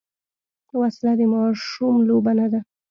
وسله د ماشوم لوبه نه ده